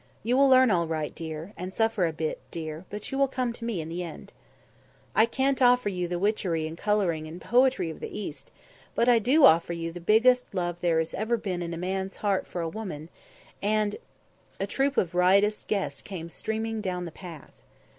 You will learn all right, dear, and suffer a bit, dear, but you will come to me in the end. "I can't offer you the witchery and colouring and poetry of the East, but I do offer you the biggest love there has ever been in a man's heart for a woman and " A troupe of riotous guests came streaming down the path.